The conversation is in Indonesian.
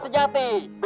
jadilah juara sejati